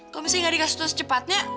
kalau misalnya gak dikasih tau secepatnya